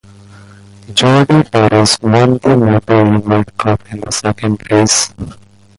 Jordi Torres won the MotoE World Cup in the second race.